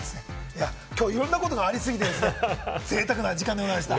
今日いろんなことがありすぎて、ぜいたくな時間でございました。